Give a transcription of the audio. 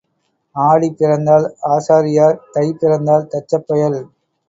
ஆடி பிறந்தால் ஆசாரியார் தை பிறந்தால் தச்சப்பயல்.